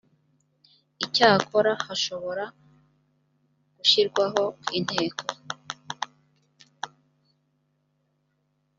icyakora hashobora gushyirwaho inteko